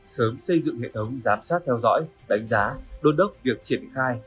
sớm xây dựng hệ thống giám sát theo dõi đánh giá đôn đốc việc triển khai